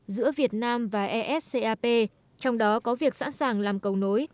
giữa việt nam và s cap trong đó có việc sẵn sàng làm cầu nối